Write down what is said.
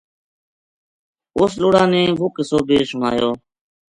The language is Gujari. اُس لُڑا نے وہ قصو بھی سنایو